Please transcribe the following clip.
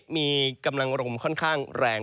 มีกำลังลมค่อนข้างแรง